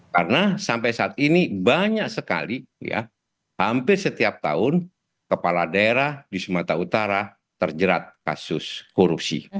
karena sampai saat ini banyak sekali hampir setiap tahun kepala daerah di sumatera utara terjerat kasus korupsi